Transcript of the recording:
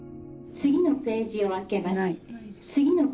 「次のページを開けます」。